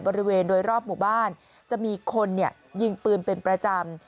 บริเวณโดยรอบหมู่บ้านจะมีคนยิงปืนเป็นประจำ